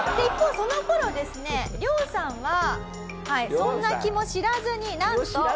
一方その頃ですねリョウさんはそんな気も知らずになんと。